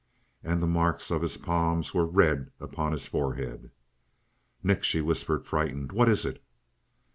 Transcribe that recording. And the marks of his palms were red upon his forehead. "Nick," she whispered, frightened, "what is it?"